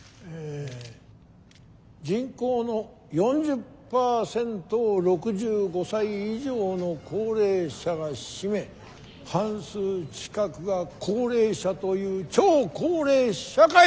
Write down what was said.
人口の４０％を６５歳以上の高齢者が占め半数近くが高齢者という超高齢社会！